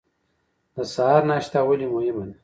د سهار ناشته ولې مهمه ده؟